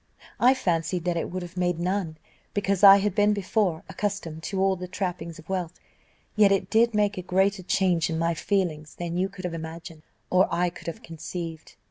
I fancied that it would have made none, because I had been before accustomed to all the trappings of wealth; yet it did make a greater change in my feelings than you could have imagined, or I could have conceived.